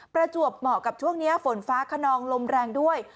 ประจวบเหมาะกับช่วงนี้ฝนฟ้าขนองลมแรงด้วย